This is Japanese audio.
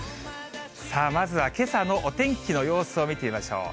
さあ、まずはけさのお天気の様子を見てみましょう。